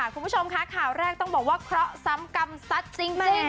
คุณผู้ชมครับข่าวแรกต้องบอกว่าเพราะสำกำทับจริง